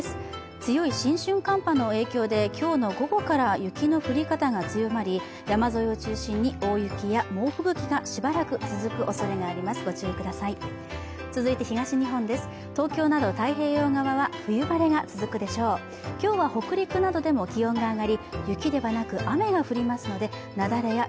強い新春寒波の影響で今日の午後から雪野降り方が強まり、山沿いを中心に大雪や猛吹雪がしばらく続くおそれがあります。